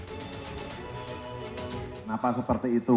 kenapa seperti itu